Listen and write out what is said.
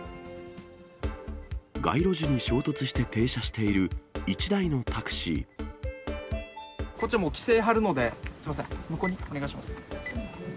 街路樹に衝突して停車していこっちは規制張るので、すみません、向こうにお願いします。